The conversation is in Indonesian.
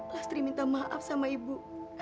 lastri minta maaf sama ibu